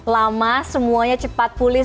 lama semuanya cepat pulih